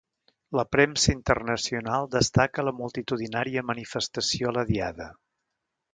La premsa internacional destaca la multitudinària manifestació a la Diada.